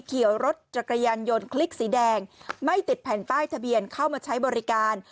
ขี่รถจักรยานยนต์คลิกสีแดงไม่ติดแผ่นป้ายทะเบียนเข้ามาใช้บริการ